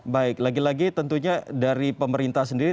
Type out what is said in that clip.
baik lagi lagi tentunya dari pemerintah sendiri